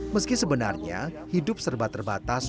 meski sebenarnya hidup serba terbatas